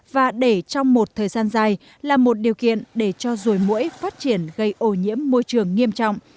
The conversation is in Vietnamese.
và để trong một thời gian dài là một điều kiện để cho rùi mũi phát triển gây ô nhiễm môi trường nghiêm trọng